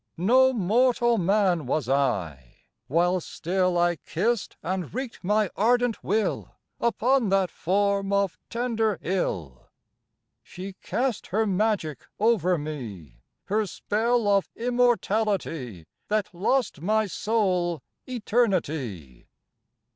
No mortal man was I, while still I kissed and wreaked my ardent will Upon that form of tender ill. She cast her magic over me, Her spell of Immortality, That lost my soul Eternity.